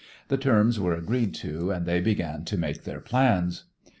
The terms were agreed to, and they began to make their plans.